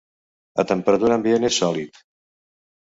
A temperatura ambient és sòlid.